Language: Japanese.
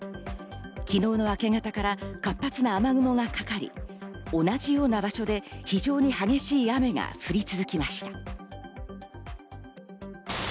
昨日の明け方から活発な雨雲がかかり、同じような場所で非常に激しい雨が降り続きました。